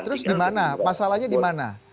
terus di mana masalahnya di mana